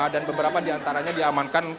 dan beberapa diantaranya diamankan